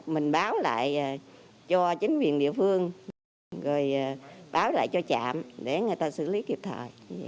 mình báo lại cho chính quyền địa phương rồi báo lại cho trạm để người ta xử lý kịp thời